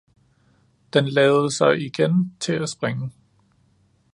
Den lavede sig igen til at springe